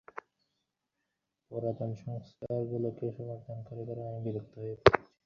আমি এখানে নিরাপদে থাকলেও আমার পরিবার-পরিজন অবিরাম যুদ্ধের সাথে লড়াই করছিল।